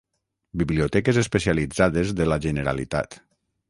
Biblioteques especialitzades de la Generalitat.